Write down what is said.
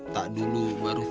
t dulu baru t